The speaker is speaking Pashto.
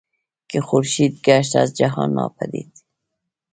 که خورشید گشت از جهان ناپدید